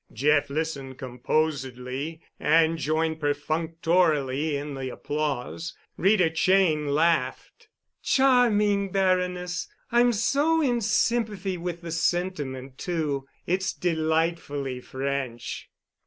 Jeff listened composedly and joined perfunctorily in the applause. Rita Cheyne laughed. "Charming, Baroness. I'm so in sympathy with the sentiment, too. It's delightfully French."